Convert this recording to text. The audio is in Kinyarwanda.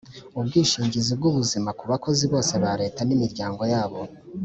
ubwishingizi bw ubuzima ku bakozi bose ba Leta n imiryango yabo